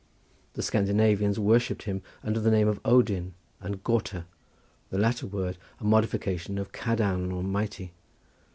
The Scandinavians worshipped him under the name of Odin and Gautr, the latter word a modification of Cadarn or mighty.